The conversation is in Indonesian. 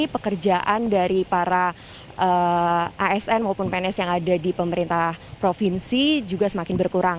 pekerjaan dari para asn maupun pns yang ada di pemerintah provinsi juga semakin berkurang